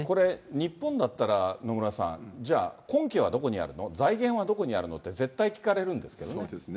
日本だったら野村さん、じゃあ、根拠はどこにあるの、財源はどこにあるのって絶対聞かれるんですけどね。